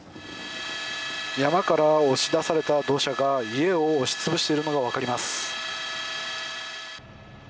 山から押し出された土砂が家を押しつぶしているのが分かります。